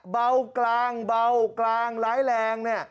เบากลางร้ายแรง